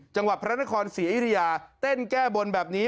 จังหวัดพระนครศรีอยุธยาเต้นแก้บนแบบนี้